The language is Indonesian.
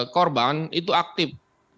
korban itu aktif